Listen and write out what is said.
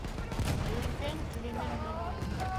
Үҙемдең киленем яман